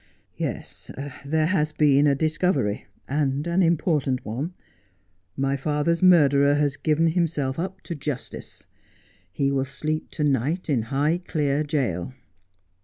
' Yes, there has been a discovery, and an important one. My father's murderer has given himself up to justice. He will sleep to night in Highclere jail.'